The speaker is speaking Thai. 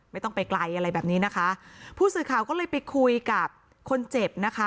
ไม่ต้องไปไกลอะไรแบบนี้นะคะผู้สื่อข่าวก็เลยไปคุยกับคนเจ็บนะคะ